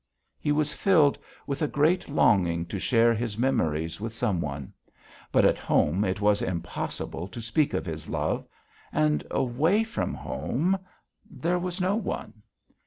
He was filled with a great longing to share his memories with some one. But at home it was impossible to speak of his love, and away from home there was no one.